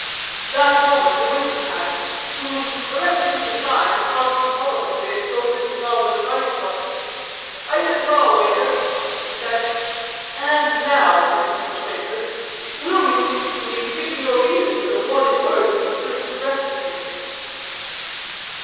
That moment a waiter passed, whom, arresting with a sign, the cosmopolitan bid go bring a goblet of ice water. "Ice it well, waiter," said he; "and now," turning to the stranger, "will you, if you please, give me your reason for the warning words you first addressed to me?"